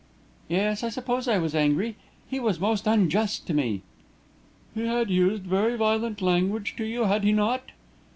"Yes, I suppose I was angry. He was most unjust to me." "He had used very violent language to you, had he not?"